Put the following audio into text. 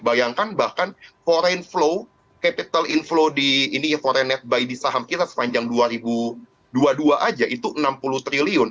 bahkan foreign flow capital inflow di ini foreign net buy di saham kita sepanjang dua ribu dua puluh dua aja itu enam puluh triliun